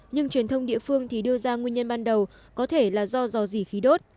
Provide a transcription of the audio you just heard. nhưng truyền thông địa phương thì đưa ra nguyên nhân ban đầu có thể là do dò dỉ khí đốt